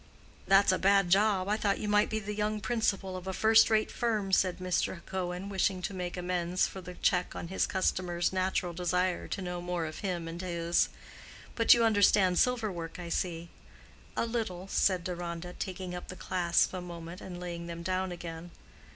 "That's a bad job. I thought you might be the young principal of a first rate firm," said Mr. Cohen, wishing to make amends for the check on his customer's natural desire to know more of him and his. "But you understand silver work, I see." "A little," said Deronda, taking up the clasps a moment and laying them down again.